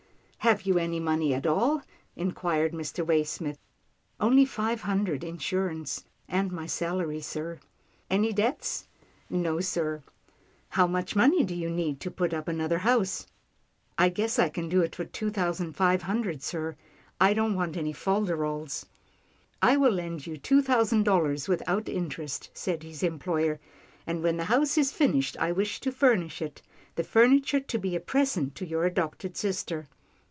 "Have you any money at all?" inquired Mr. Waysmith. " Only five hundred insurance, and my salary, sir." "Any debts?" "No sir." " How much money do you need to put up another house ?"" I guess I can do it for two thousand five hun dred, sir. I don't want any fol de rols." " I will lend you two thousand dollars without interest," said his employer, " and when the house is finished, I wish to furnish it — the furniture to be a present to your adopted sister."